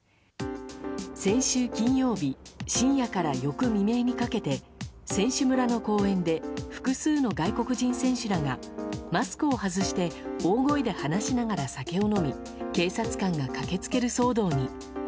先週金曜日深夜から翌未明にかけて選手村の公園で複数の外国人選手らがマスクを外して大声で話しながら酒を飲み警察官が駆け付ける騒動に。